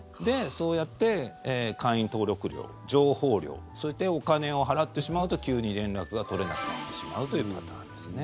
そうやって会員登録料、情報料そういったお金を払ってしまうと急に連絡が取れなくなってしまうというパターンですよね。